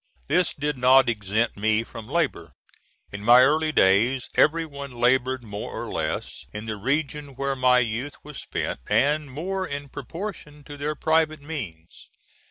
This did not exempt me from labor. In my early days, every one labored more or less, in the region where my youth was spent, and more in proportion to their private means.